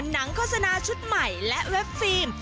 โฆษณาชุดใหม่และเว็บฟิล์ม